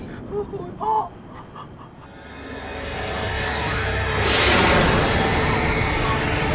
เอ้า